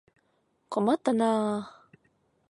困ったなあ。